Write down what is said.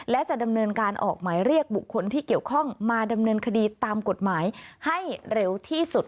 และจะดำเนินการออกหมายเรียกบุคคลที่เกี่ยวข้องมาดำเนินคดีตามกฎหมายให้เร็วที่สุด